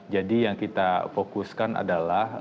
jadi yang kita fokuskan adalah